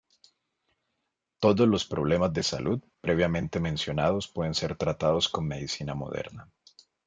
Todos los problemas de salud previamente mencionados pueden ser tratados con medicina moderna.